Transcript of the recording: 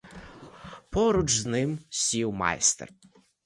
Поруч з ним сів майстер.